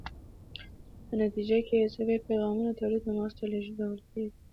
په نتیجه کې یې عصبي پیغامونه تولید او مغز ته لیږدول کیږي.